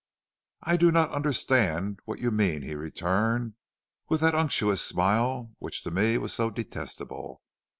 "'I do not understand what you mean,' he returned, with that unctuous smile which to me was so detestable.